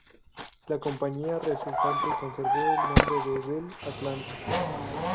La compañía resultante conservó el nombre de Bell Atlantic.